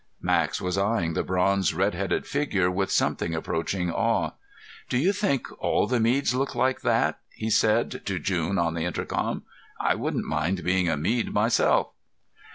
Max was eyeing the bronze red headed figure with something approaching awe. "Do you think all the Meads look like that?" he said to June on the intercom. "I wouldn't mind being a Mead myself!"